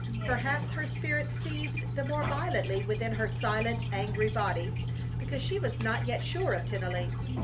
Perhaps her spirit seethed the more violently within her silent, angry body because she was not yet sure of Tennelly.